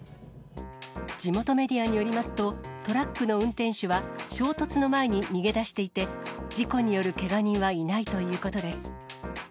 地元メディアによりますと、トラックの運転手は、衝突の前に逃げ出していて、事故によるけが人はいないということです。